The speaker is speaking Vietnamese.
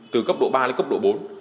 từ cấp độ ba đến cấp độ bốn